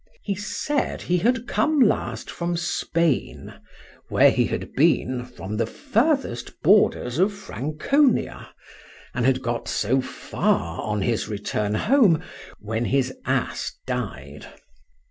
—He said he had come last from Spain, where he had been from the furthest borders of Franconia; and had got so far on his return home, when his ass died.